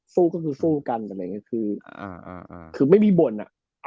สู้ก็คือสู้กันอะไรอย่างเงี้ยคืออ่าอ่าอ่าคือไม่มีบ่นอ่ะ